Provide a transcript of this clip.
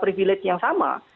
meminta privilege yang sama